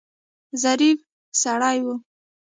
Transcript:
ظریف سړی و.